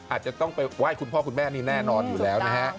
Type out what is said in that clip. อาจจะต้องไปไหว้คุณพ่อคุณแม่นี่แน่นอนอยู่แล้วนะฮะ